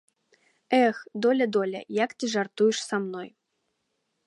Эх, доля, доля, як ты жартуеш са мной.